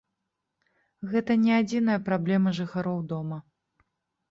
Гэта не адзіная праблема жыхароў дома.